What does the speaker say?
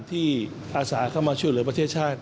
อาสาเข้ามาช่วยเหลือประเทศชาติ